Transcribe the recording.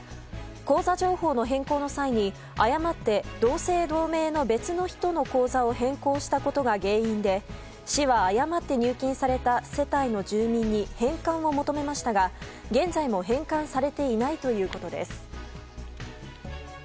口座情報の変更の際に誤って同姓同名の別の人の口座を変更したことが原因で市は誤って入金された世帯の住民に返還を求めましたが現在も返還されていないということです。